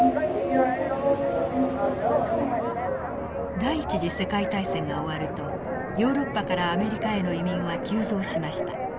第一次世界大戦が終わるとヨーロッパからアメリカへの移民は急増しました。